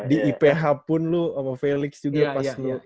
di iph pun lu sama felix juga pas lu